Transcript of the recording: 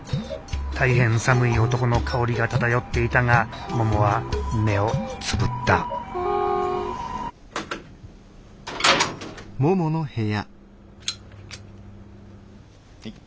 大変寒い男の香りが漂っていたがももは目をつぶったはい。